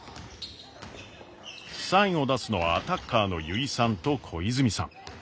サインを出すのはアタッカーの油井さんと小泉さん。